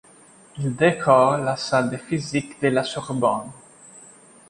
Il décore la salle de physique de la Sorbonne.